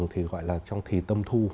thì gọi là trong thí tâm thu